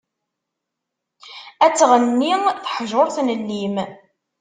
Ad tɣenni teḥjurt n llim.